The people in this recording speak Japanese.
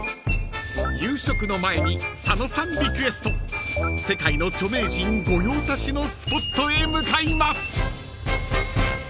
［夕食の前に佐野さんリクエスト世界の著名人御用達のスポットへ向かいます］